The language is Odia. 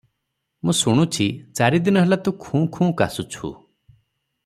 ମୁଁ ଶୁଣୁଛି, ଚାରିଦିନ ହେଲା ତୁ ଖୁଁ ଖୁଁ କାଶୁଛୁ ।